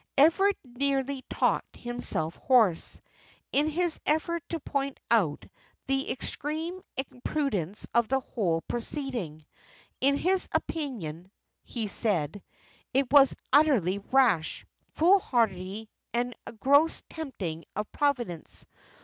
Everard nearly talked himself hoarse, in his effort to point out the extreme imprudence of the whole proceeding. In his opinion, he said, it was utterly rash, foolhardy, and a gross tempting of Providence.